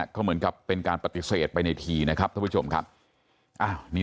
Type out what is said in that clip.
ก็เหมือนกับเป็นการปฏิเสธไปในทีนะครับท่านผู้ชมครับอ้าวนี่